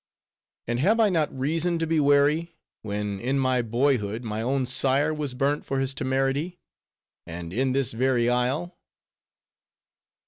And have I not reason to be wary, when in my boyhood, my own sire was burnt for his temerity; and in this very isle?